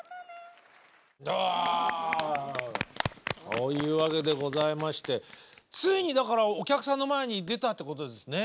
あというわけでございましてついにだからお客さんの前に出たってことですね。